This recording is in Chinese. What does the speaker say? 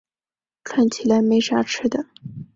看起来没啥吃的